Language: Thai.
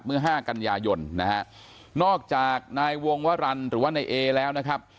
ห้ากันยายนนะฮะนอกจากนายวงวรรณหรือว่านายเอแล้วนะครับ